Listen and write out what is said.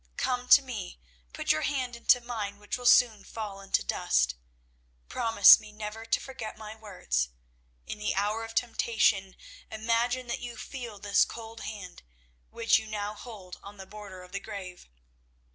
Come to me, put your hand into mine which will soon fall into dust. Promise me never to forget my words. In the hour of temptation, imagine that you feel this cold hand which you now hold on the border of the grave.